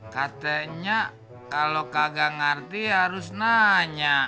katanya kalau kagak ngerti harus nanya